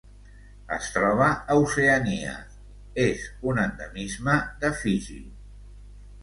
Es troba a Oceania: és un endemisme de Fiji.